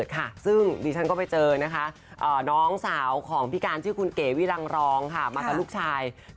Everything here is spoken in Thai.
หรือพี่กานชื่อคุณเก๋วิรังร้องมาต่อลูกชาย